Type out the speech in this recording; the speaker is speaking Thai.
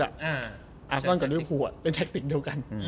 อาสนอนกับริวภูเป็นแทคติกเดียวกัน